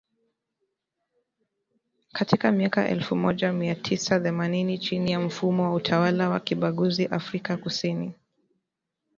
katika miaka elfu moja mia tisa themanini chini ya mfumo wa utawala wa kibaguzi Afrika Kusini